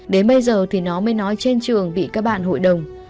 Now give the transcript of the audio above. đến bây giờ thì nó mới nói trên trường bị các bạn hội đồng